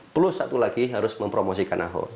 plus satu lagi harus mempromosikan ahok